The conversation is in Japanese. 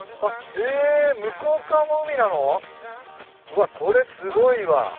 うわこれすごいわ。